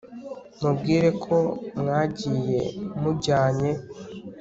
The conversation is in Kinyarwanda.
mubwire ko mwagiye mujyanye